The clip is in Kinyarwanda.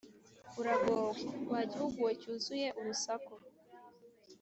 Uragowe ! Wa gihugu we cyuzuye urusaku